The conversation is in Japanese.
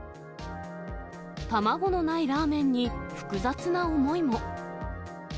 卵のないラーメンに、複雑な思いも。